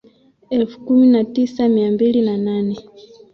elfu kumi na tisa mia mbili na nane